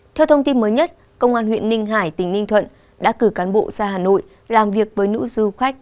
theo thông tin mới nhất công an huyện ninh hải tỉnh ninh thuận đã cử cán bộ ra hà nội làm việc với nữ du khách